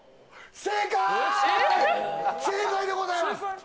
正解でございます